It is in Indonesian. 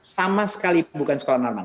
sama sekali bukan sekolah normal